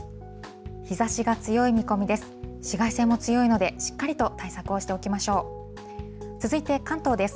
日ざしが強い見込みです。